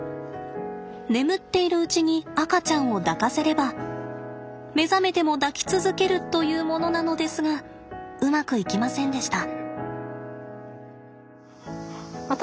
眠っているうちに赤ちゃんを抱かせれば目覚めても抱き続けるというものなのですがうまくいきませんでした。